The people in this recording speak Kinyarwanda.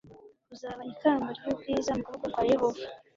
Uzaba ikamba ry ubwiza mu kuboko kwa Yehova